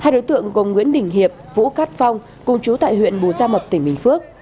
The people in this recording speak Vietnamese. hai đối tượng gồm nguyễn đình hiệp vũ cát phong cùng chú tại huyện bù gia mập tỉnh bình phước